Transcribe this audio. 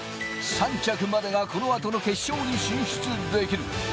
３着までがこのあとの決勝に進出できる。